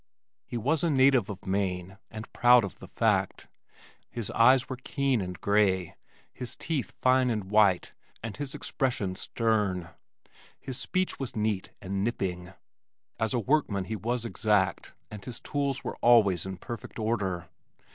He was a native of Maine and proud of the fact. His eyes were keen and gray, his teeth fine and white, and his expression stern. His speech was neat and nipping. As a workman he was exact and his tools were always in perfect order.